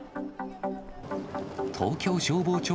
東京消防庁